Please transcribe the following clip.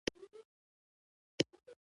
زه د مور او پلار د پښو خاوره یم.